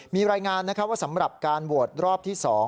มีรายงานนะครับว่าสำหรับการโหวตรอบที่๒